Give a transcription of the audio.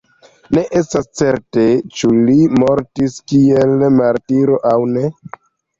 Ne estas certe ĉu li mortis kiel martiro aŭ ne.